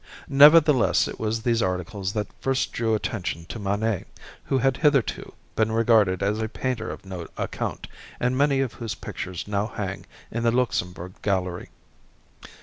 Nevertheless it was these articles that first drew attention to Manet, who had hitherto been regarded as a painter of no account, and many of whose pictures now hang in the Luxembourg Gallery.